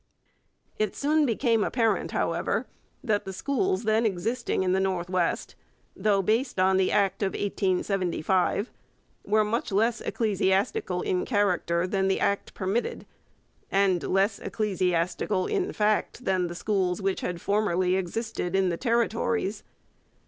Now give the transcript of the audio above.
It soon became apparent, however, that the schools then existing in the North West, though based on the Act of 1875, were much less ecclesiastical in character than the act permitted, and less ecclesiastical in fact than the schools which had formerly existed in the territories.